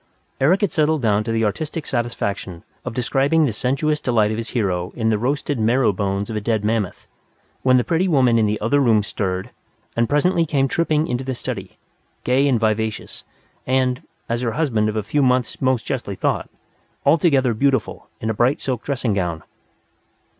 Eric had settled down to the artistic satisfaction of describing the sensuous delight of his hero in the roasted marrow bones of a dead mammoth, when the pretty woman in the other room stirred, and presently came tripping into the study, gay and vivacious, and as her husband of a few months most justly thought altogether beautiful in a bright silk dressing gown.